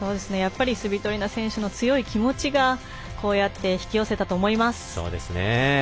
スビトリーナ選手の強い気持ちがこうやって引き寄せたと思います。